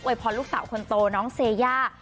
ไว้พอลูกสาวคนโตน้องเซญ่า